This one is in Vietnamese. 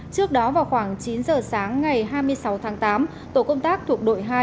trước đó vào khoảng chín giờ sáng ngày hai mươi sáu tháng tám tổ công tác thuộc đội hai